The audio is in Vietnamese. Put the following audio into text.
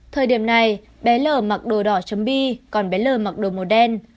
thời điểm này bé l mặc đồ đỏ chấm bi còn bé l mặc đồ màu đen